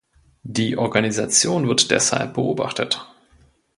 Die Organisation wird deshalb beobachtet.